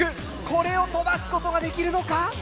これを飛ばすことができるのか？